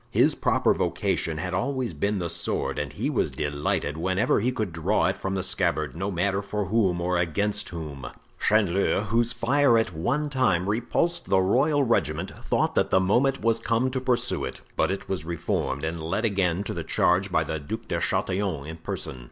His proper vocation had always been the sword and he was delighted whenever he could draw it from the scabbard, no matter for whom or against whom. Chanleu, whose fire at one time repulsed the royal regiment, thought that the moment was come to pursue it; but it was reformed and led again to the charge by the Duc de Chatillon in person.